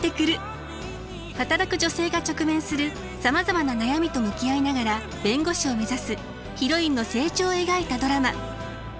働く女性が直面するさまざまな悩みと向き合いながら弁護士を目指すヒロインの成長を描いたドラマ。